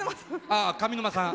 あっ上沼さん。